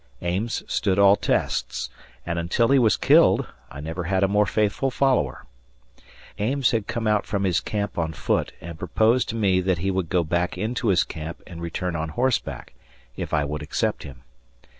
Ames stood all tests, and until he was killed I never had a more faithful follower. Ames had come out from his camp on foot and proposed to me that he would go back into his camp and return on horseback, if I would accept him.